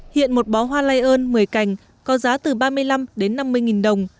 hiện một bó hoa lion một mươi cành có giá từ ba mươi năm năm mươi nghìn đồng